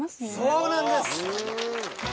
そうなんです！